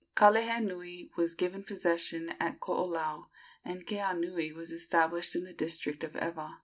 Kalehenui was given possessions at Koolau, and Keaunui was established in the district of Ewa.